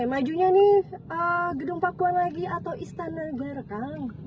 majunya nih gedung pakuan lagi atau istana gara kang